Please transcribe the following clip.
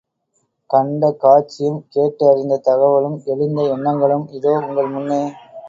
கண்ட காட்சியும், கேட்டு அறிந்த தகவலும், எழுந்த எண்ணங்களும் இதோ உங்கள் முன்னே.